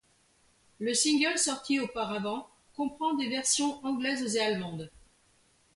Le single sorti auparavant comprend des versions anglaises et allemandes.